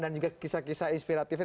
dan juga kisah kisah inspiratifnya